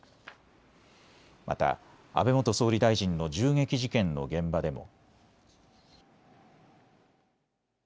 また安倍元総理大臣の銃撃事件の現場でも。